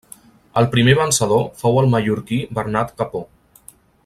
El primer vencedor fou el mallorquí Bernat Capó.